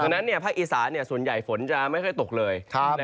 ดังนั้นภาคอีสานส่วนใหญ่ฝนจะไม่ค่อยตกเลย